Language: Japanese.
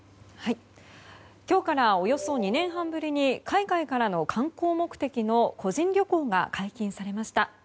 今日からおよそ２年半ぶりに海外からの観光目的の個人旅行が解禁されました。